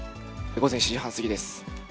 午前７時半過ぎです。